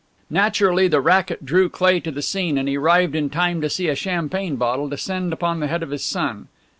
Naturally the racket drew Cleigh to the scene, and he arrived in time to see a champagne bottle descend upon the head of his son.